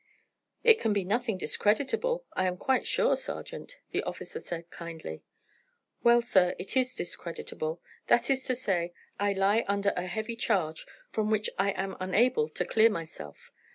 "It can be nothing discreditable, I am quite sure, sergeant," the officer said, kindly. "Well, sir, it is discreditable; that is to say, I lie under a heavy charge, from which I am unable to clear myself.